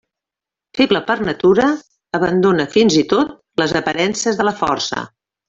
Feble per natura, abandona fins i tot les aparences de la força.